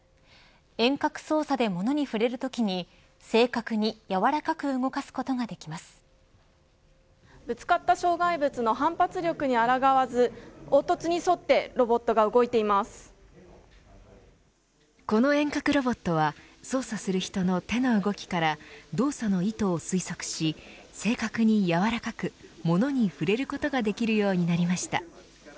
遠隔操作で物に触れるときに正確に柔らかくぶつかった障害物の反発力にあらがわず凹凸に沿ってこの遠隔ロボットは操作する人の手の動きから動作の意図を推測し正確に柔らかく物に触れることができるようになりました。